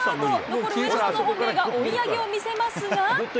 残る上田さんの本命が追い上げを見せますが。